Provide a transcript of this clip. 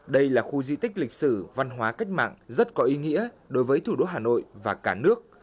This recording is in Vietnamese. đây là khu di tích lịch sử văn hóa cách mạng rất có ý nghĩa đối với thủ đô hà nội và cả nước